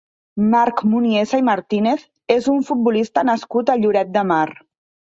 Marc Muniesa i Martínez és un futbolista nascut a Lloret de Mar.